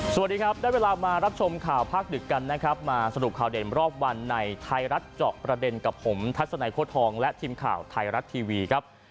สวัสดีครับได้เวลามารับชมข่าวภาคดึกกันนะครับมาสรุปข่าวเด่นรอบวันในไทยรัฐเจาะประเด็นกับผมทัศนัยโค้ดทองและทีมข่าวไทยรัฐทีวีครับ